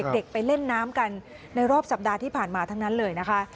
ไปเล่นน้ำกันในรอบสัปดาห์ที่ผ่านมาทั้งนั้นเลยนะคะ